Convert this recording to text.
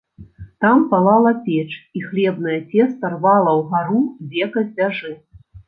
Там палала печ, і хлебнае цеста рвала ўгару века з дзяжы.